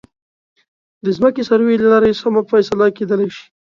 د ځمکې سروې له لارې سمه فیصله کېدلی شي.